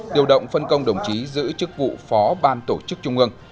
điều động phân công đồng chí giữ chức vụ phó ban tổ chức trung ương